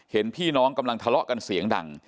เห็นพี่น้องกำลังทะเลาะกันเสียงดัง